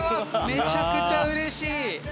めちゃくちゃうれしい！